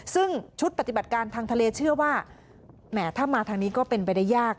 ซึ่งชุดปฏิบัติการทางทะเลเชื่อว่าแหมถ้ามาทางนี้ก็เป็นไปได้ยาก